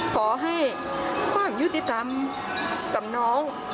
ขอให้ความยุติธรรมกับน้อง